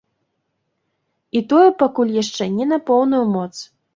І тое пакуль яшчэ не на поўную моц.